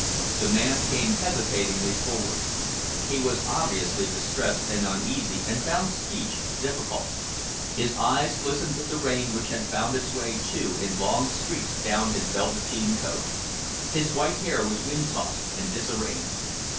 The man came hesitatingly forward. He was obviously distressed and uneasy, and found speech difficult. His face glistened with the rain which had found its way, too, in long streaks down his velveteen coat. His white hair was wind tossed and disarranged.